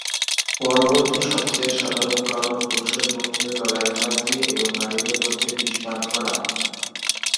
পরবর্তী সবচেয়ে সাধারণ কারণ পুরুষের মধ্যে গলায় ফাঁস দিয়ে এবং নারীদের মধ্যে বিষ পান করা।